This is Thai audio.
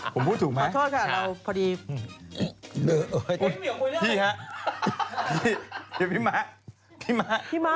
ผมพูดถูกไหมโทษค่ะเราพอดีพี่ฮะพี่เดี๋ยวพี่ม้าพี่ม้าพี่ม้า